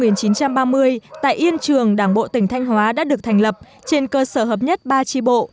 năm một nghìn chín trăm ba mươi tại yên trường đảng bộ tỉnh thanh hóa đã được thành lập trên cơ sở hợp nhất ba tri bộ